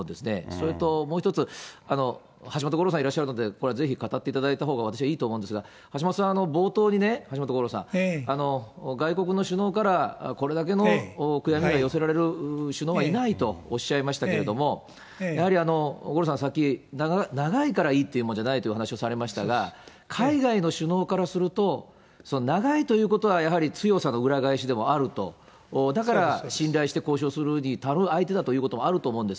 それともう一つ、橋本五郎さんいらっしゃるので、これぜひ、語っていただいたほうが私はいいと思うんですが、橋本さん、冒頭にね、橋本五郎さん、外国の首脳からこれだけのお悔やみが寄せられる首脳はいないとおっしゃいましたけれども、やはり五郎さん、さっき長いからいいっていうもんじゃないって話をされましたが、海外の首脳からすると、長いということはやはり強さの裏返しでもあると、だから信頼して交渉するに足る相手だということもあると思うんで